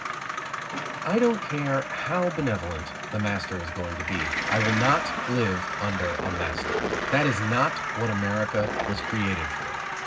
I don't care how benevolent the master is going to be, I will not live under a master. That is not what America was created for.